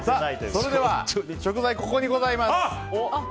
それでは、食材ここにございます。